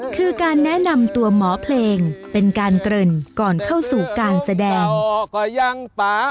คือการแนะนำตัวหมอเพลงเป็นการเกริ่นก่อนเข้าสู่การแสดง